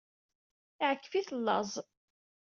Iɛkef-it laẓ.